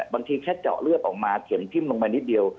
บางทีแค่เจาะเลือดออกมาเข็มทิ้มลงไปนิดเดียว